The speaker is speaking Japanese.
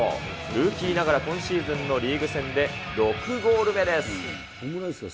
ルーキーながら今シーズンのリーグ戦で６ゴール目です。